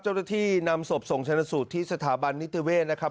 เจ้าตะที่นำศพส่งชัยนสุธที่สถาบันนิตเวทย์นะครับ